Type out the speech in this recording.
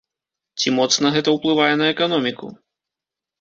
Ці моцна гэта ўплывае на эканоміку?